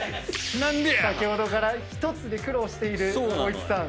先ほどから１つで苦労している光一さん。